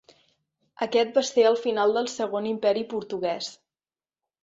Aquest va ser el final del Segon Imperi Portuguès.